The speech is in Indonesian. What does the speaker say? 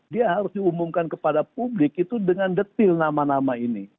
dia harus diumumkan kepada publik itu dengan detil nama nama ini